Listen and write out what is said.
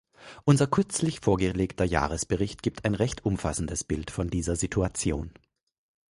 Unser kürzlich vorgelegter Jahresbericht gibt ein recht umfassendes Bild von dieser Situation.